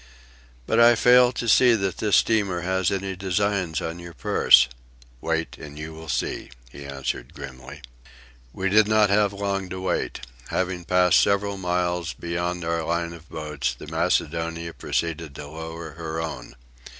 "But I fail to see that this steamer has any designs on your purse." "Wait and you will see," he answered grimly. We did not have long to wait. Having passed several miles beyond our line of boats, the Macedonia proceeded to lower her own.